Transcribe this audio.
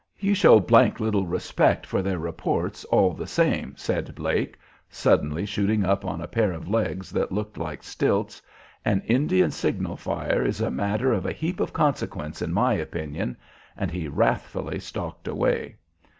"You show d d little respect for their reports all the same," said Blake, suddenly shooting up on a pair of legs that looked like stilts. "An Indian signal fire is a matter of a heap of consequence in my opinion;" and he wrathfully stalked away.